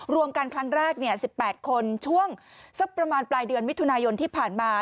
รวมกันครั้งแรก๑๘คนช่วงสักประมาณปลายเดือนมิถุนายนที่ผ่านมา